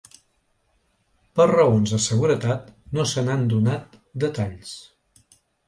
Per raons de seguretat no se n’han donat detalls.